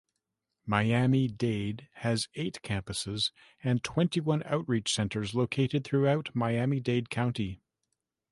Miami Dade has eight campuses and twenty-one outreach centers located throughout Miami-Dade County.